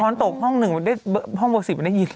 ช้อนตกห้องหนึ่งห้องบวกสิบมันได้ยินเลย